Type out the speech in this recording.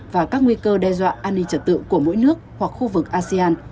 và các nguy cơ đe dọa an ninh trật tự của mỗi nước hoặc khu vực asean